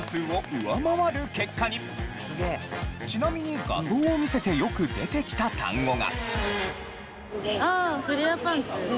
ちなみに画像を見せてよく出てきた単語が。